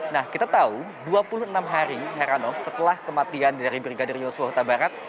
nah kita tahu dua puluh enam hari heranov setelah kematian dari brigadir yosua huta barat